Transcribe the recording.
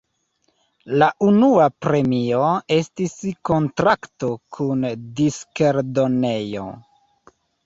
La unua premio estis kontrakto kun diskeldonejo.